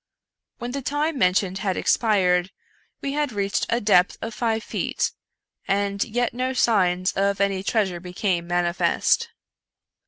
When the time mentioned had expired, we had reached a depth of five feet, and yet no signs of any treasure became manifest.